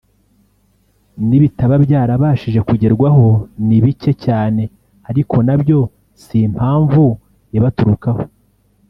“N’ibitaba byarabashije kugerwaho ni bike cyane ariko nabyo si impamvu ibaturukaho